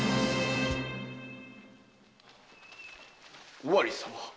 尾張様。